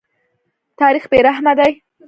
تاریخ بې رحمه دی.